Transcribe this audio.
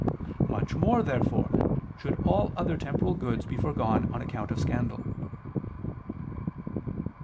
Much more therefore should all other temporal goods be foregone on account of scandal.